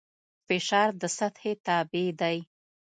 فشار د سطحې تابع دی.